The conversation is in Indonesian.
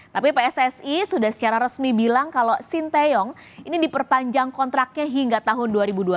tapi pssi sudah secara resmi bilang kalau sinteyong ini diperpanjang kontraknya hingga tahun dua ribu dua puluh